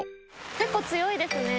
結構強いですね。